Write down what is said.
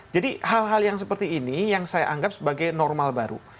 jadi hal hal yang seperti ini yang saya anggap sebagai normal baru